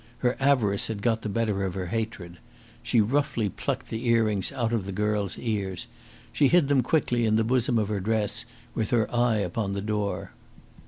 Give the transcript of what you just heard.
Her avarice had got the better of her hatred. She roughly plucked the earrings out of the girl's ears. She hid them quickly in the bosom of her dress with her eye upon the door.